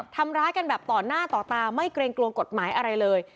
ทำร้ายกันแบบต่อหน้าต่อตาไม่เกรงกลัวกฎหมายอะไรเลย